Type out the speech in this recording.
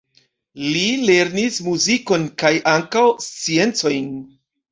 Li lernis muzikon kaj ankaŭ sciencojn.